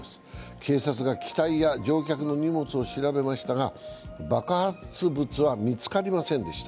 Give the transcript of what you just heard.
警察が機体や乗客の荷物を調べましたが爆発物は見つかりませんでした。